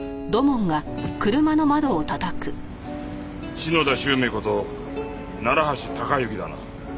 篠田周明こと楢橋高行だな？